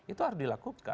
itu harus dilakukan